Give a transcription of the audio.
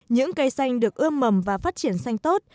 những cây xanh được ươm mầm và phát triển xanh tốt